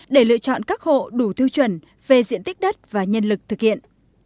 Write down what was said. để lựa chọn các hộ đủ tiêu chuẩn về diện tích đất và nhân lực thực hiện